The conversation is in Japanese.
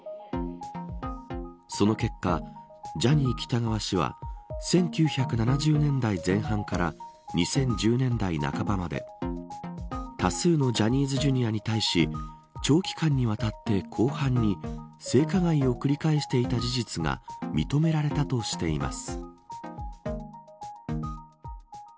その結果ジャニー喜多川氏は１９７０年代前半から２０１０年代半ばまで多数のジャニーズＪｒ．に対し長期間にわたって広範に性加害を繰り返していてた事実が認められたとしています。